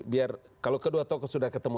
biar kalau kedua tokoh sudah ketemu